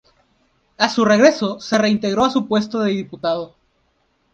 A su regreso, se reintegró a su puesto de diputado.